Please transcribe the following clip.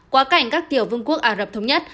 quá cảnh các tiểu vương quốc ả rập thống nhất